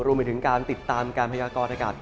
รวมไปถึงการติดตามการพยากรอากาศ